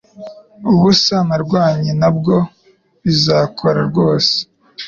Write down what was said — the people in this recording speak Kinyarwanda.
Ubusa narwanye Ntabwo bizakora rwose